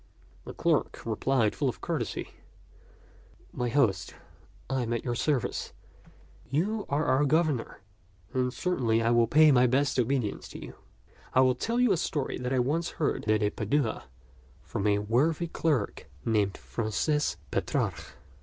The clerk replied with full courtesy, "My host, I am at your service. You are our governor, and cer tainly I would pay my best obedience to you. I will tell you a story that I once heard at Padua from a worthy clerk named Francis Petrarch.